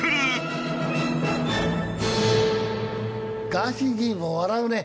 ガーシー議員も笑うね。